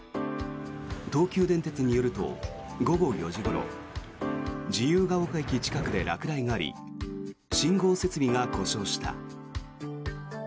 東急電鉄によると午後４時ごろ自由が丘駅近くで落雷があり信号設備が故障した。